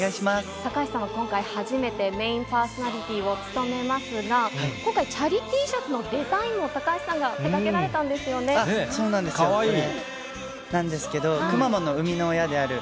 高橋さんは、今回初めてメインパーソナリティーを務めますが、今回、チャリＴシャツのデザインも、高橋さんが手がけられたんですよそうなんですよね、これ。